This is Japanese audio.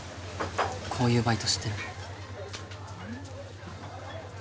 こういうバイト知ってる？